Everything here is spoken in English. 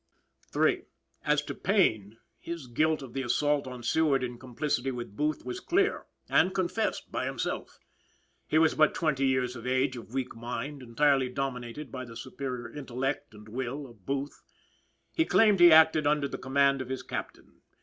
III. As to Payne, his guilt of the assault on Seward in complicity with Booth was clear, and confessed by himself. He was but twenty years of age, of weak mind, entirely dominated by the superior intellect and will of Booth. He claimed he acted under the command of his captain.